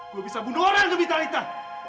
gue bisa bunuh orang demi talitha